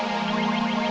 dan aku harus melindungimu